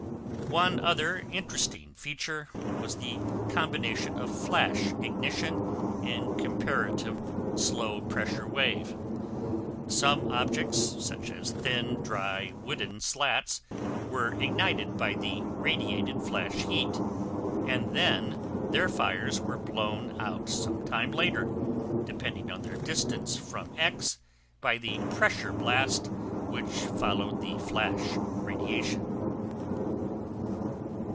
One other interesting feature was the combination of flash ignition and comparative slow pressure wave. Some objects, such as thin, dry wooden slats, were ignited by the radiated flash heat, and then their fires were blown out some time later (depending on their distance from X) by the pressure blast which followed the flash radiation.